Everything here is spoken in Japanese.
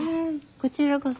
こちらこそ。